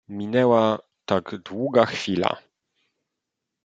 "Minęła tak długa chwila."